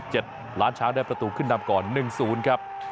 หลานช้างได้ประตูขึ้นทำก่อน๑๐ครับ